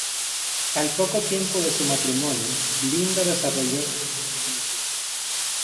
Al poco tiempo de su matrimonio, Linda desarrolló esclerosis múltiple.